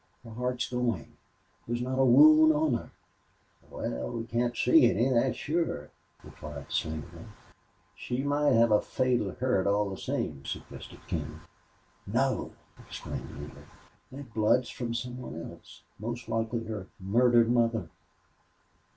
Her heart's going! There's not a wound on her!" "Wal, we can't see any, thet's sure," replied Slingerland. "She might hev a fatal hurt, all the same," suggested King. "No!" exclaimed Neale. "That blood's from some one else most likely her murdered mother....